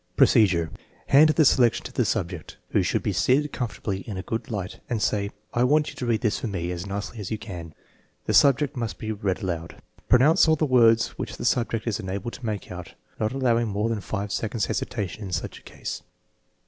Procedure, Hand the selection to the subject, who should be seated comfortably in a good light, and say: " I want you to read this for me as nicely as you can." The subject must read aloud. Pronounce all the words which the subject is unable to make out, not allowing more than five seconds.' hesitation in such a case.